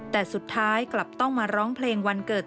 แต่สุดท้ายกลับต้องมาร้องเพลงวันเกิด